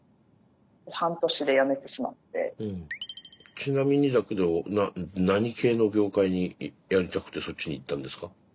ちなみにだけど何系の業界にやりたくてそっちに行ったんですか？